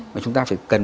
mà chúng ta phải cần